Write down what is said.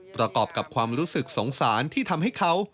ประกอบกับความรู้สึกสงสารที่ทำให้เขา